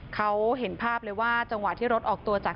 เขาเห็นภาพเลยว่าจังหวะที่รถออกตัวจาก